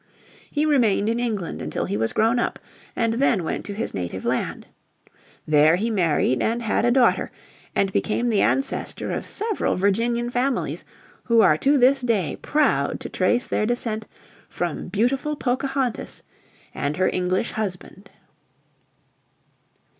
He remained in England until he was grown up, and then went to his native land. There he married, and had a daughter, and became the ancestor of several Virginian families who are to this day proud to trace their descent from beautiful Pocahontas and her English husband.